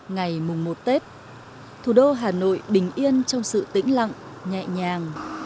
ngày mùng một tết thủ đô hà nội bình yên trong sự tĩnh lặng nhẹ nhàng